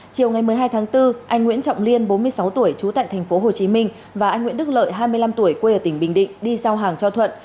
chiều ngày một mươi hai tháng bốn anh nguyễn trọng liên bốn mươi sáu tuổi trú tại tp hcm và anh nguyễn đức lợi hai mươi năm tuổi quê ở tỉnh bình định đi giao hàng cho thuận